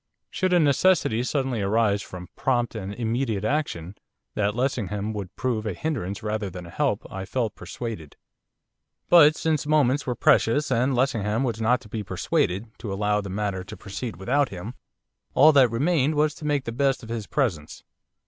Should a necessity suddenly arise for prompt and immediate action, that Lessingham would prove a hindrance rather than a help I felt persuaded. But since moments were precious, and Lessingham was not to be persuaded to allow the matter to proceed without him, all that remained was to make the best of his presence.